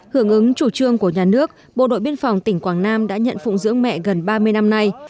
hưởng ứng chủ trương của nhà nước bộ đội biên phòng tỉnh quảng nam đã nhận phụng dưỡng mẹ gần ba mươi năm nay